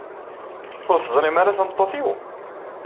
Ur teẓrimt ara tameṭṭut-inu?